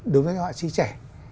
đối với các họa sĩ trẻ